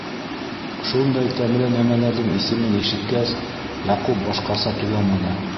Шундай тәмле нәмәләрҙең исемен ишеткәс, Яҡуп башҡаса туламаны.